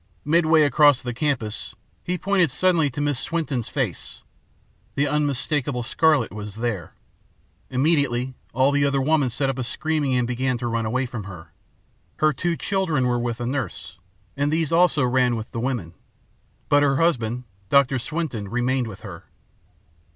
"Midway across the campus, he pointed suddenly to Mrs. Swinton's face. The unmistakable scarlet was there. Immediately all the other women set up a screaming and began to run away from her. Her two children were with a nurse, and these also ran with the women. But her husband, Doctor Swinton, remained with her.